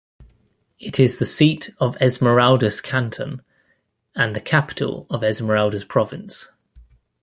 It is the seat of the Esmeraldas Canton and capital of the Esmeraldas Province.